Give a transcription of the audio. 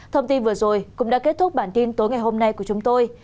thông tin vừa rồi cũng đã kết thúc bản tin tối ngày hôm nay của chúng tôi